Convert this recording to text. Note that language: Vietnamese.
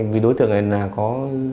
vì đối tượng này là có